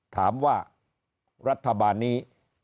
ถามว่ารัฐบาลนี้